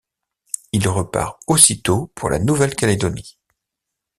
Il repart aussitôt pour la Nouvelle-Calédonie.